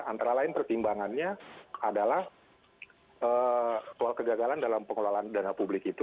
antara lain pertimbangannya adalah soal kegagalan dalam pengelolaan dana publik itu